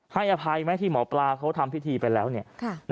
อภัยไหมที่หมอปลาเขาทำพิธีไปแล้วเนี่ย